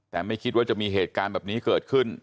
แต่ไม่คิดว่าจะมีเหตุการณ์แบบนี้เกิดขึ้น